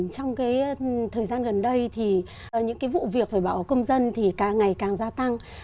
trong thời gian gần đây thì những vụ việc về bảo hộ công dân thì càng ngày càng gia tăng